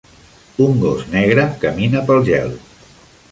Un gos negre camina pel gel.